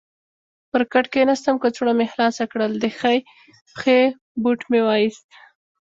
پر کټ کېناستم، کڅوړه مې خلاصه کړل، د ښۍ پښې بوټ مې وایست.